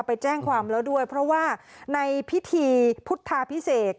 ไปแจ้งความแล้วด้วยเพราะว่าในพิธีพุทธาพิเศษ